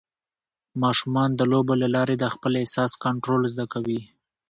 ماشومان د لوبو له لارې د خپل احساس کنټرول زده کوي.